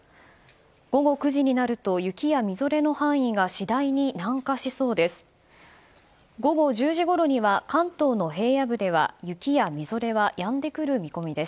午後９時になると雪やみぞれの範囲が次第に南下しそうです。